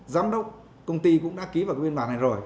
giám đốc công ty cũng đã ký vào cái biên bản này rồi